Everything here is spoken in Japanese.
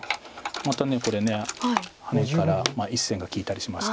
またこれハネから１線が利いたりしまして。